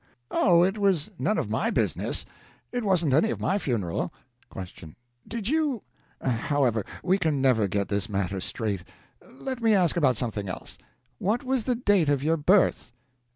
Oh, it was none of my business! It wasn't any of my funeral. Q. Did you However, we can never get this matter straight. Let me ask about something else. What was the date of your birth?